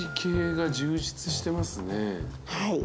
はい。